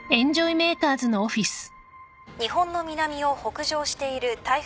日本の南を北上している台風１６号は。